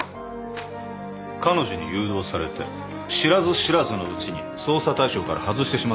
彼女に誘導されて知らず知らずのうちに捜査対象から外してしまったんじゃないのか？